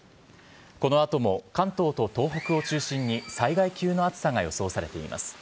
このあとも関東と東北を中心に、災害級の暑さが予想されています。